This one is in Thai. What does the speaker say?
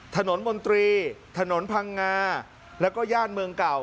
มนตรีถนนพังงาแล้วก็ย่านเมืองเก่า